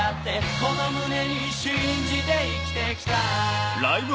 この胸に信じて生きてきた